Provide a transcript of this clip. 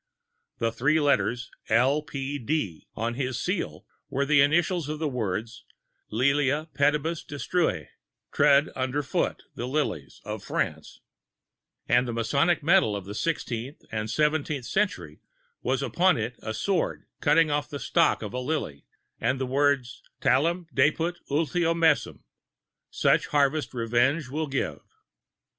The three letters L. P. D. on his seal, were the initials of the words "Lilia pedibus destrue;" tread under foot the Lilies [of France], and a Masonic medal of the sixteenth or seventeenth century has upon it a sword cutting off the stalk of a lily, and the words "talem dabit ultio messem," such harvest revenge will give.